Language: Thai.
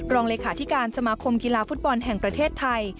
รองเลขาธิการสมาคมกีฬาฟุตบอลแห่งประเทศไทย